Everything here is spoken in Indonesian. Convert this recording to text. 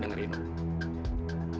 dengar ini pak